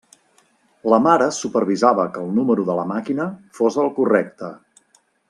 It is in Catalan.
La mare supervisava que el número de la màquina fos el correcte.